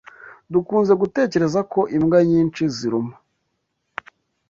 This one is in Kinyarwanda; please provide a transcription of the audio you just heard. Dukunze gutekereza ko imbwa nyinshi ziruma.